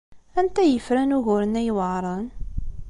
Anta ay yefran ugur-nni ay iweɛṛen?